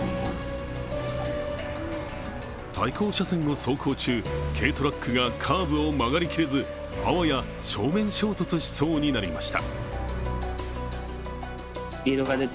対向車線を走行中、軽トラックがカーブを曲がりきれずあわや正面衝突しそうになりました。